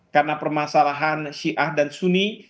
karena permasalahan syiah dan sunni